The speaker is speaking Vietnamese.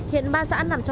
hiện bà giãn làm trò chơi